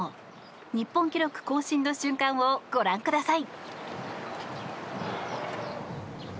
日本記録更新の瞬間をご覧ください。